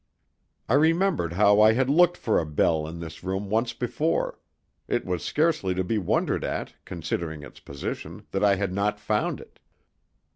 I remembered how I had looked for a bell in this room once before; it was scarcely to be wondered at, considering its position, that I had not found it.